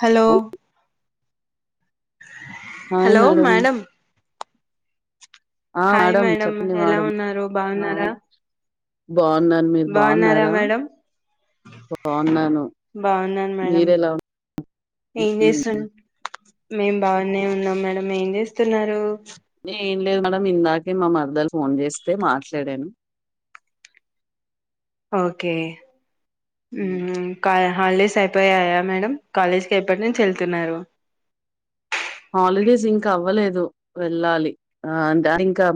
Hello hello madam? ఆ hi madam చెప్పండి ఎలా మేడం ఉన్నారు ఆ బాగున్నారా బావున్నాను మీరు బాగున్నారా బావున్నారా? మేడం బాగున్నాను బాగున్నాను మేడం మీరెలా ఉ. ఏం చేస్తున్ మేం బాగునే ఉన్నాం మేడం ఏం చేస్తున్నారు. ఏం లేదు మేడం ఇందాకే మా మరదలు ఫోన్ చేస్తే మాట్లాడాను. ఓకే ఉమ్. ఊహు క హాలీడేస్ అయ్. అయియాయా మేడం కాలేజ్కి ఎప్పటి నుంచి వెళ్తున్నారు. హాలిడేస్ ఇంకా అవ్వలేదు వెళ్ళాలి ఆ అంటే ఇంకా.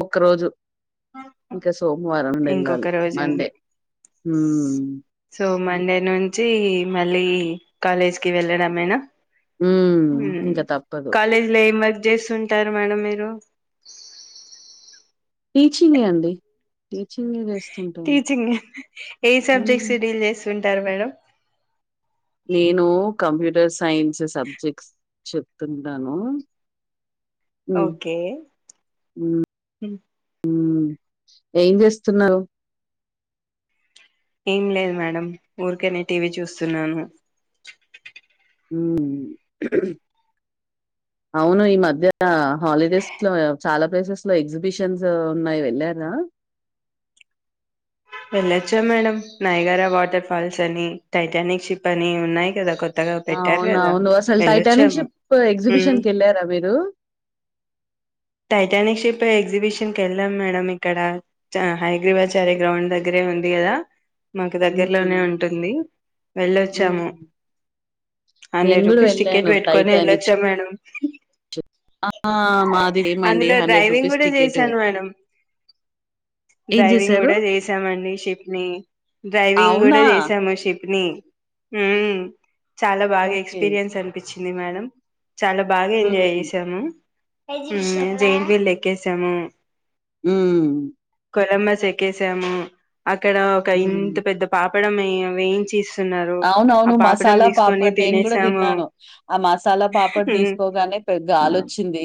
ముక్క రోజు. ఇంకా సోమవారం వెళ్లాలి ఇంకొక రోజు మండే ఉంది హ. సో మండే నుంచి మళ్ళీ కాలేజ్కి వెళ్ళడమేనా. ఉమ్, ఇంకా తప్పదు కాలేజ్ లో ఏం వర్క్ చేస్తుంటారు మేడం మీరు. టీచింగ్గే అండి. టీచింగే గ. టీచింగ్ ఏ ఉమ్, సబ్జెక్ట్స్ డీల్ చేస్తుంటారు మేడం. నేను కంప్యూటర్ సైన్స్ సబ్జెక్ట్స్. చెప్తుంటాను. ఓకే ఉ ఏం చేస్తున్నారు. ఏం లేదు మేడం ఊరికనే టీవీ చూస్తున్నాను. ఊ. అవును ఈ మధ్య హాలిడేస్లో చాలా ప్లేసెస్ లో ఎగ్జిబిషన్స్ ఉన్నాయి వెళ్ళారా. వెళ్ళొచ్చా మేడం నాయగారా వాటర్ ఫాల్స్ అని టైటానిక్ షిప్ అని ఉన్నాయి కదా కొత్. కొత్తగా పెట్టారు కదా అవునవును. అసలు 'టైటానిక్ వెళ్ళొచ్చాము షిప్' హ. ఎగ్జిబిషన్‌కెళ్లారా మీరు? టైటానిక్ షిప్ ఎగ్జిబిషన్ కు వెళ్ళాం మేడం ఇక్కడ హైదరాబాద్ చరెక్. గ్రౌండ్ దగ్గరే ఉంది కదా. మాకు దగ్గరలోనే హ్మ్. ఉంటుంది హ్మ్. వెళ్ళొచ్చాము. నేను హండ్రెడ్ గూడా రూపీస్ టిక్కెట్ వెళ్ళాను పెట్టుకొని 'టైటానిక్ వెళ్ళొచ్చా షిప్' మేడం. ఆ. మాది సేమండి అందులో రూ. డ్రైవింగ్ కూడా టికెట్. చేశాను మేడం. ఏం డ్రైవింగ్ జేశారు? కూడా చేసామండి షిప్ ని. డ్రైవింగ్ అవునా? కూడా చేసాము షిప్ ని. చాలా బాగా ఓకే. ఎక్స్పీరియన్స్ అనిపించింది మేడం. చాలా బాగా ఎంజాయ్ హ్మ్. చేసాము జైంట్వీల్ ఎక్కేసాము. ఉ. కొలంబస్ ఎక్కేసాము. అక్కడ ఒక హ్మ్. ఇంత పెద్ద. పాపడంమ్ వేయించిస్. అవునవును మసాలా పాపడ్ నేను కూడా తినేసాము తిన్నాను. ఆ మసాలా పాపడ్ ఉమ్ తీసుకోగానే పెద్ద గాలొచ్చింది.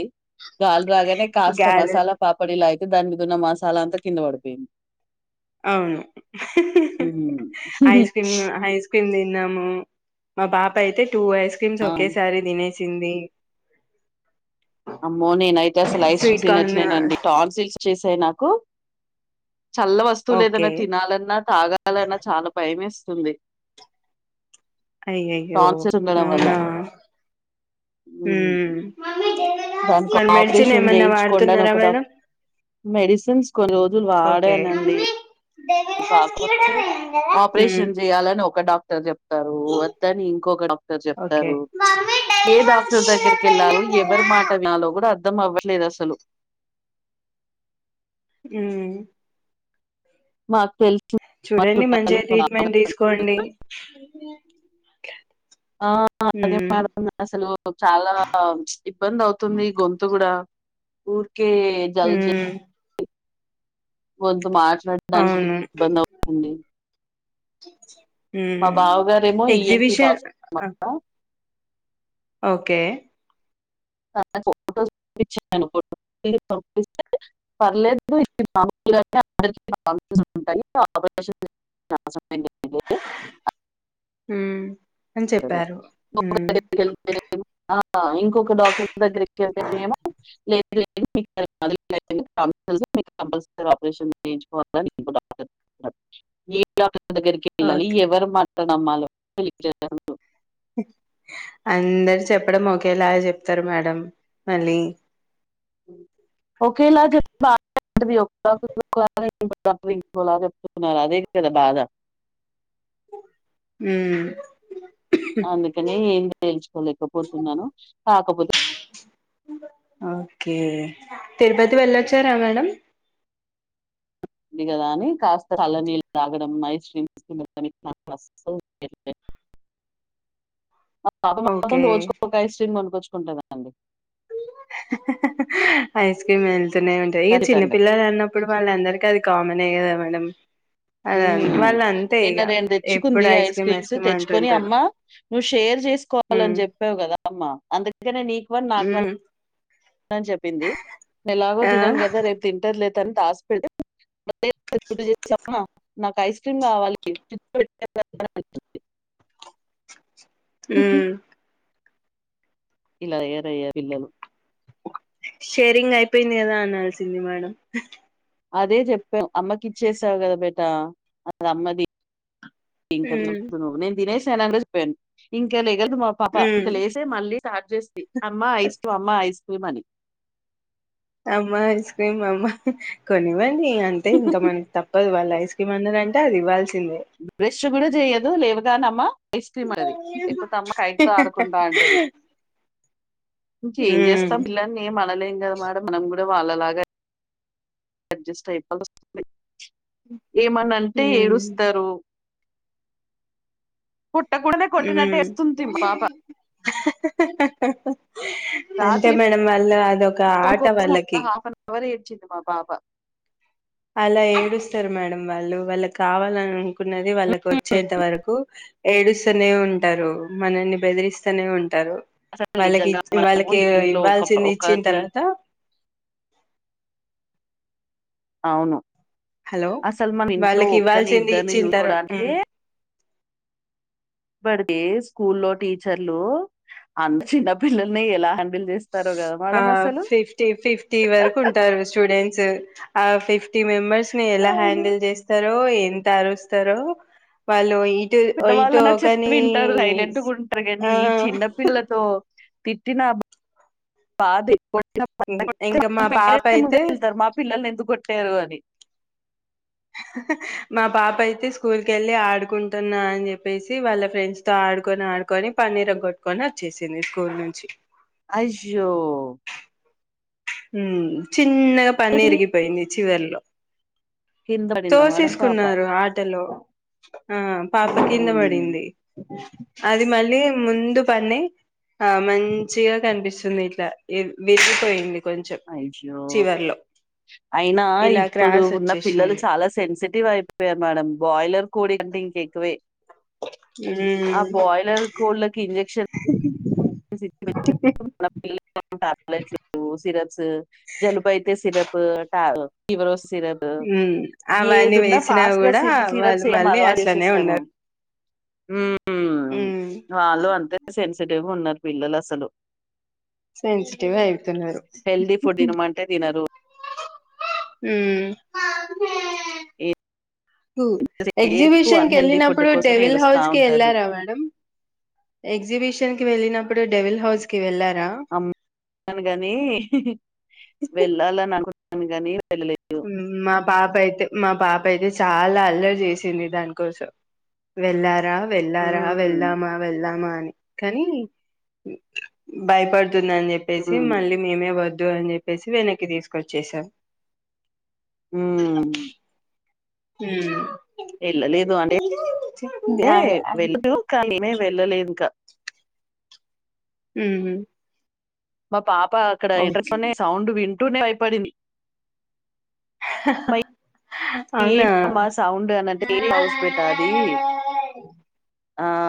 గాలి రాగానే కాస్త గాలి మసాలా పాపడ్ ఇలా అయితే దాని మీద ఉన్న మసాలా అంతా కింద పడిపోయింది. అవును హ్మ్. Ice cream ice. క్రీమ్ తిన్నాము మా పాప అయితే టూ ఐస్ క్రీమ్స్ ఆ! ఒకేసారి తినేసింది. అమ్మో నేనయితే అసలు ఐసెస్ స్వీట్ కార్న్ తిననట్లేనండి టాన్సిల్స్. చేశాయి నాకు చల్ల వస్తువులు ఓకే ఏదన్నా తినాలన్నా తాగా. చాలన్నా చాలా భయమేస్తుంది. అయ్యయ్యో టాన్సిల్స్ ఉండడం వల్ల. అవునా ఉ. హ్మ్. దానికి ఆపరేషన్ చేయించుకోండి అని వాడుతున్నారా ఒక డాక్ట మేడం మెడిసిన్స్ కొన్ని రోజులు ఓకే వాడానండి కాకపోతే మ్మ్ ఆపరేషన్ చేయాలని ఒక డాక్ క్టర్ చెప్తారు వద్దని ఇంకొక డాక్టర్ ఓకే చెప్తారు ఏ డాక్టర్ దగ్గరికి వెళ్ళలో ఎవరి మాట వినాలో కూడా అర్థం అవ్వట్లేదు అసలు మ్ మాక్ తెల్ చూడండి మంచిగా ట్రీట్మెంట్ తీసుకోండి ఆ అదే మ్మ్ మేడం అసలు చాలా ఇబ్బంది అవుతుంది గొంత్ తు కూడా ఊర్కే మ్ గొంతు మాట్లాడడానికి కూడా అవును ఇబ్బంది అవుతుంది మా మ్మ్ బావ గారేమో ఈఎన్పి ఎగ్జిబిషన్ డాక్టర్ అన్ మట ఓకే నాకు ఫోటోస్ చూపించాను ఫోటో స్తె పర్లేదు ఇది నర్మాలే [unintelligible] [unintelligible] హుం అని చెప్పారు హ్మ్ ళ్తేనే ఇంకొక డాక్టర్ దగ్గరికి వెళ్తేనేమో లేదు లేదు [unintelligible] [unintelligible] మీరు కంపల్సరీ ఆపరేషన్ చేయించుకోవాలని ఇంకో డాక్టర్ అన్నర్ ఏ డాక్టర్ దగ్గరికి ఓకే వెళ్ళాలి ఎవరి మాట్లాడలు నమ్మాలో తెలియట్లేదు అందరు చెప్పడం ఒకేలాగ చెప్తారు మేడం మళ్ళీ ఓకేల చెప్ బానే [unintelligible] అదే కదా బాద మ్ అందుకనే ఏం తేల్చుకోలేకపోతున్నాను కాకపోతే ఓకే తిరుపతి వెళ్ళొచ్చారా మేడం ఉంది కదా అని కాస్త చల్లా నీళ్ళు తాగడం ఐస్ క్రీమ్ తిన్ [unintelligible] [unintelligible] మా పాప మాత్రం ఓకే రోజుకోక ఐస్ క్రీమ్ కొనుక్కొచ్చుకుంటది అండి ఐస్ క్రీమ్ వెళ్తూనే ఉంటది ఇగ ఖచ్చితంగా చిన్నపిల్లలన్నప్ ప్పుడు వాళ్ళందరికిీ అది కామనే కదా మేడం అద మ్ వాళ్ళు అంతే నిన్న ఇక రెండు తెచ్చుకుంది ఎప్పుడు ఐస్ క్రీమ్ క్రీమ్స్ క్రీమ్ తెచ్చుకొని అంటుంటారు అమ్మ నువ్వు షేర్ చేసుకో వలని మ్మ్ చెప్పావు కదా అమ్మ అందుకనే నీకు వన్ నాకు వన్ మ్మ్ అని చెప్పింది ఎలాగో ఆ తినను కదా రేపు తింటదిలే అని దాస్పెడితె మళ్ళీ పొద్దున లేచి అమ్మ నాకు ఐస్ క్రీమ్ కావాలి ఫ్రిజ్ ల పెట్టినావ్ క అని అంటూ మ్ ఇలా తయ్యారయా పిల్లలు షేరింగ్ అయిపోయింది కదా అన్నాల్సింది మేడం అదే చెప్పాం అమ్మకి ఇచ్చేసావు కదా బేటా అది అమ్మది ఇంకా మ్మ్ నిను తినేసనని చెప్పను ఇంకాలేగద్ పాప మ్మ్ ఇంక లేసే మళ్ళీ స్టార్ట్ చేస్తంది. అమ్మ ఐస్ క్రీమ్, అమ్మ ఐస్ క్రీమ్ అని అమ్మ ఐస్ క్రీమ్ అమ్మ కొనివ్వండి అంతే ఇంకా మనకి తప్పదు వాళ్ళ ఐస్ క్రీ [unintelligible] అది ఇవాల్సిందే బ్రష్ కూడా చెయ్యదు లేవగానే అమ్మా ఐస్ క్రీమ్ అది లేకపోతే అమ్మ కైక్తో ఆడుకుంట అంటది ఇంకేం ఉమ్ చేస్తాం పిల్లలని ఏమి అనలేం కద మేడమ్ మనం కూడా వాళ్ళలాగ అడ్జస్ట్ అయిపాలుస్తోంది ఏమన్నా అంటే ఉమ్ ఏడుస్తారు కుట్టకుడనే కొట్టినట్టు ఉమ్ చేస్తుంది మా పాప అంతే రాత్రి మేడం వాళ్ళు అదొక ఆట వాళ్ళకి తవరే ఏడ్చింది మా పాప అలా ఏడుస్తారు మేడం వాళ్ళు వాళ్ళకి కావాలని అనుకున్నది వాళ్ళకి వచ్చేంత వరకు ఏడుస్తూనే ఉంటారు మనల్ని బెదిరిస్తూనే ఉంటారు అసలు వాళ్ళకి నిజంగా మనము వాళ్ళకి ఇంట్లో ఒక ఇవ్వాల్సింది ఇచ్చిన ఒకరిని తర్వాత అవును హలో అసలు మన ఇంట్లో వాళ్ళకి ఒక్కరిని, ఇవ్వాల్సింది ఇద్దరిని ఇచ్చిన చూసుకోవడానికే తర్వా పడితే స్కూల్లో టీచర్లు అంత చిన్న పిల్లల్ని ఎలా హ్యాండిల్ చేసి ఆ ఫిఫ్టీ ఫిఫ్టీ వరకు ఉంటారు స్టూడెంట్స్ ఆ ఫిఫ్టీ మెంబర్స్ ని ఎలా అవును. హ్యాండిల్ చేస్తారో ఎంత అరుస్తారో వాళ్ళు ఇటు ఇటు పెద్దవాళ్ళన్నా చెప్తే ఒకానీ వింటారు. ఆ పిల్లతో తిట్టిన బాదే [unintelligible] ఇంకా మా కొ పాప పేరెంట్స్ ముందు అయితే వెళ్తారు మా పిల్లలని ఎందుకు కొట్టారు అని మా పాప అయితే స్కూల్ కి వెళ్ళి ఆడుకుంటున్నా అని చెప్పేసి వాళ్ళ ఫ్రెండ్స్ తో ఆడుకొని ఆడు కొని పన్ను ఇరగ కొట్టుకొని వచ్చేసింది స్కూల్ నుంచి అయ్యో ఉ చిన్నగా పన్ను ఇరిగిపోయింది చివరిలో కింద పడిందా మేడం పాప? తోసేసుకున్నారు ఆటలో ఆ పాప కింద హ్మ్. పడింది అది మళ్ళీ ముందు పని ఆ మంచిగా కనిపిస్తుంది ఇట్ల విరిగి పోయింది అఐో అయినా ఇలా ఇప్పుడు క్రాస్ ఉన్న పిల్లలు వచ్చేసింది చాలా సెన్సిటి టివ్ అయిపోయారు మేడం బాయిలర్ కూడి అంటే ఇంకా ఎక్కువే ఆ ఉమ్ బాయిలర్ కోళ్ళకి ఇంజక్షన్ [unintelligible] మల్ టాబ్లెట్లు సిరప్స్ జలుబు అయితే సిరప్ ట ఫీవర్ వస్తే సిరప్ ఉమ్ అవన్నీ ఏదున్న వేసినా ఫాస్ట్ గా కూడా సిప్ వాళ్ళు సిరప్స్ సేమ్ మళ్ళీ అలవాటు అట్లనే చేసేసాము ఉ ఊ వాళ్ళు అంతే సెన్సిటివ్ గా ఉన్నారు పిల్లలు అసలు సెన్సిటివ్ అయితున్నారు హెల్ది ఫుడ్ తినమంటే తినరు హు ఎంతసేపు ఎగ్జిబిషన్ కి అన్‌హెల్తీ ఫుడ్ వెళ్ళినప్పుడు కోసమే డెవిల్ ఏడుస్తా హౌస్ కి ఉంటారు. వెళ్ళారా మేడం ఎగ్జిబిషన్ కి వెళ్ళినప్పుడు డెవిల్ హౌస్ కి వెళ్ళారా కాని వెళ్ళాలని అనుకుంటున్నాను కాని వెళ్ళలేదు హు మా పాప అయితే మా పాప అయితే చాలా అల్లరి చేసింది దానికోసం వెళ్ళారా వెళ్ళారా ఉమ్, వెళ్దామా వెళ్దామా అని కానీ భయపడుతుందన్జేప్పేసి ఉమ్, మళ్ళీ మేమే వద్దు అన్జెప్పేసి వెనక్కి తీస్కొచ్చేసాం మ్ మ్ హుమ్ ఏళ్ళలేదు అంటే [unintelligible] వె [unintelligible] కాని మేమే వెళ్ళలేదిన్కా. ఉహు మా పాప అక్కడ ఓకే ఏన్ట్రెస్లోనె సౌండ్ వింటూనే భయపడింది "అమ్మ, అవునా ఏంటమ్మా సౌండ్ అనన్టే ఏ [unintelligible] హౌస్ బేటా అది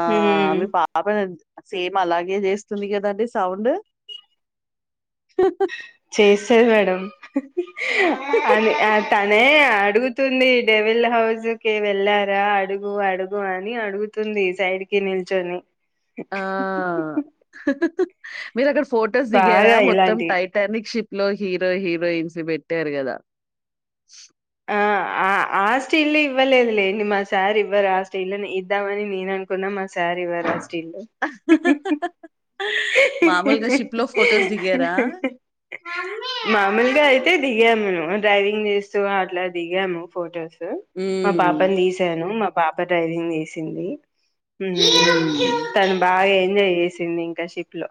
హు మ్ మ్ అప్ప [unintelligible] సేమ్ అలాగే జేస్తుంది కదండి సౌండు. చేస్తది మేడం అన్ య తనే అడుగు. తుంది డెవిల్ హౌజు కి వెళ్ళారా? అడుగు అడుగు అని అడుగుతుంది సైడి. కి నిల్చొని మీరక్కడ ఫొటోస్ దిగారా బాగా మొత్తం ఇలాంటివి టై టర్నిషిప్ లో హీరో హీరోయిన్స్ పెట్టారు కదా ఆ ఆ ఆస్టిల్లివ్వలేదులేండి మా సార్ ఇవ్వరు, ఆ స్టిల్లుని ఇద్దామని నేనన్. కున్న మా సార్ ఇవ్వరా స్టిల్లు మామూల్గా షిప్పులో ఫొటోస్ దిగారా? మాముల్గా అయితే దిగామ్మేము డ్రైవింగ్ జేస్తూ అట్లా దిగాము ఫొటోస్. [unintelligible] మా హ్మ్. పాపన్ తీసాను మా పాప డ్రైవింగ్ జేసింది మ్మ్ హ్మ్. తను బాగా ఎంజాయ్ [unintelligible] సింది ఇంకా షిప్ లో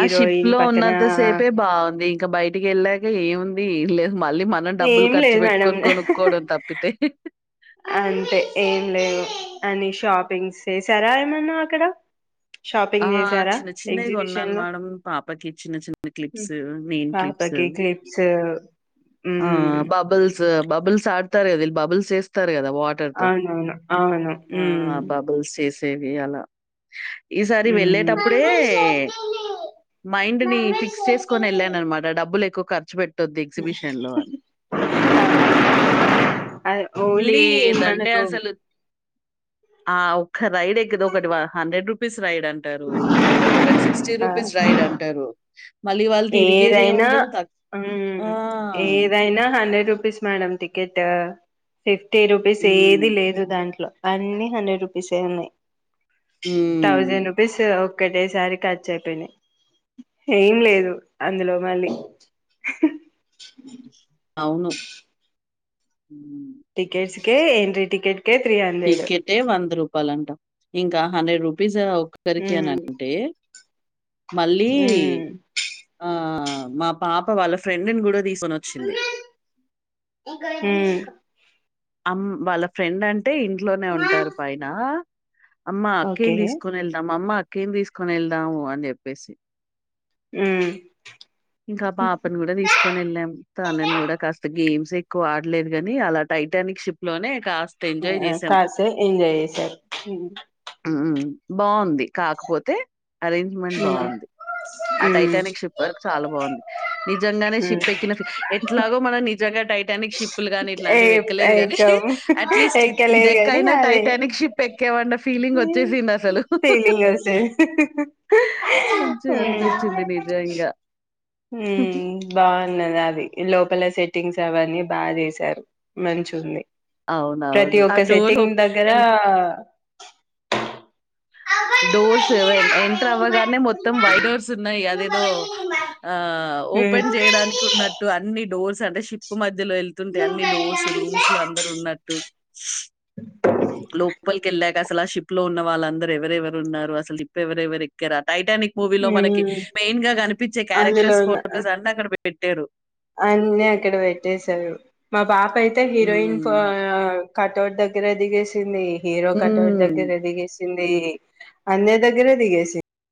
ఆ షిప్ లో పక్కన ఉన్నంత సేపే బావున్ది ఇంకా బయ్ టికెళ్ళాకే ఏవున్ది, ఏం లేదు మళ్ళీ మనం డబ్బుల్ ఏం ఖర్చు లేదు మేడం పెట్కొని కొనుక్కోడం తప్పితే. అంతే ఏం లేవు అని షాపింగ్స్సారా ఏమన్నా అక్కడ? ఆ షాపింగ్ చేసారా చిన్న చిన్నయి ఎగ్జిబిషన్ లో కొన్నాన్మేడం పాపకి చిన్న, చిన్న క్లిప్స్ నెన్ క్లిప్స్. సర్ ఆ బబుల్స్ బబుల్స్డతార్ కదా విళ్ బబుల్స్ చేస్తారు కదా వా టైర్తో అవునవును అవును ఆ ఆ ఉమ్ బాబుల్స్ చేసేవి అలా. ఈసారి వెళ్ళేటప్పుడే ఉమ్ మైండ్ ని ఫిక్స్ చేసుకొన్నెళ్ళానన్మా. ట డబ్బుల్లేక్కువ ఖర్చు పెట్టొద్దు ఎగ్జిబిషన్ లో అని అది ఓన్లీ లేదంటే మనకు అస్సల్లు ఆ ఒక్క రైడ్ ఎక్కి [unintelligible] ఒకటి వ హండ్రెడ్ రూపీస్ రైడన్ టరూ ఒకటి సిక్స్టీ ఆ రూపీస్ రైడన్టరు మళ్ళీ వాళ్ తిరిగేది ఏదైనా ఏముండదు తక్ ఆ మ్మ్ ఏదైనా హండ్రెడ్ రూపీస్ మేడం టికెట్ట ఫిఫ్టీ రూపీస్ ఏది హ్మ్. లేదు దాంట్లో అన్ని హండ్రెడ్ రూపీస్సే ఉన్నాయ్. థౌజండ్ హ్మ్. రూపీస్సు ఒక్కటేసారి ఖర్చయ్పోయినాయి ఏం లేదు? అందులో మళ్ళీ అవును మ్ టికెట్స్ కే ఎంట్రీ టికెట్ కే త్రీ హండ్రెడు టే వంద రూపాలన్ట ఇంకా హండ్రెడ్ రూపీస ఒ [unintelligible] క్కరికి అని మ్మ్ అంటే. మళ్ళీ మ్మ్ ఆ మా పాప వాళ్ళ ఫ్రెండ్ ను కూడా తీసుకోనొచ్చింది హ్మ్ అమ్ వాళ్ళ ఫ్రెండ్ అంటే ఇంట్లోనే ఉంటారు పైన అమ్మ ఓకే అక్కేంను తీసుకొని వెళ్దాం అమ్మ అక్కేంను తీసుకోని వెళ్దాము అని చెప్పేసి హ్మ్ ఇంకా ఆ పాపని కూడా తీసుకొని వెళ్ళాం తనని మ్మ్ కూడా కాస్త గేమ్స్ ఎక్కువ ఆడలేదు కాని అలా టైటానిక్ షిప్ లోనే ఇంకా కాసేపు ఎంజాయ్ చేసారు హ్మ్ బాగుంది కాకపోతే అరేంజ్మెంట్ బాగుంది ఆ టైప్ ఉమ్ షిప్ వరకు చాలా బాగుంది నిజంగానే ఉమ్ షిప్ ఎక్కిన ఫీ ఎట్లాగో మనం నిజంగా టైటానిక్ షిప్ లు గాని ఏ ఇట్లాంటివి ఎక్కలేదు కాని ఎక్కం అట్లీస్ట్ ఇది ఎక్కలేదు ఎక్కి కానీ ఎక్కయినా అదే టైటానిక్ షిప్ షిప్ ఎక్కమన్నా ఫీలింగ్ వచ్చేసింది హుహు అసలు ఫీలింగ్ వస్తది మంచి అనిపించింది నిజంగా హ్మ్ బాగున్నది అది లోపల సెట్టింగ్స్ అవన్నీ బాగా చేసారు మంచిగా ఉంది ప్రతి అవునవును. ఆ ఒక్క డోర్ సెట్టింగ్ ఓప్ దగ్గర ఎలా డోర్ సెవెన్ ఎంటర్ అవ్వగానే మొత్తం వైట్ డోర్స్ ఉన్నాయి నువ్వు అదేదో పోయి ఆ ఉమ్ ఓపెన్ చేయటానికి ఉన్నట్టు అన్ని డోర్స్ అంటే షిప్ మధ్యలో వెళ్లినట్టు అంటే అన్ని డోర్స్ రూమ్స్ లో అందరు ఉన్నట్టు లోపలికి వెళ్ళాక అసలా ఆ షిప్ లో ఉన్న వాళ్ళందరికి ఎవరెవరు ఉన్నారు అసలు షిప్ ఎవరెవరు ఎక్కరా టైటానిక్ మూవీలో మనకి మెయిన్ గా కనిపించే అందులో క్యారెక్టర్స్ ఫొటోస్ అన్ని అక్కడ పెట్టారు అన్నీ అక్కడ పెట్టేశారు మా పాప అయితే హీరోయిన్ ఫో హ్మ్. కటవుట్ దగ్గర దిగేసింది హీరో కటవుట్ హ్మ్. దగ్గర దిగేసింది దిగేసింది అందరు దగ్గరే దిగేసింది